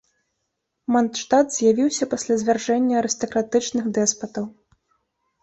Мандштат з'явіўся пасля звяржэння арыстакратычных дэспатаў.